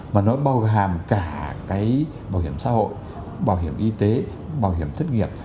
mà nó bao hàm cả cái bảo hiểm xã hội bảo hiểm y tế bảo hiểm thất nghiệp